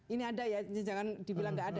ini ada ya jangan dibilang nggak ada